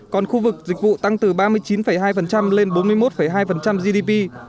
còn khu vực dịch vụ tăng từ ba mươi chín hai lên bốn mươi một hai gdp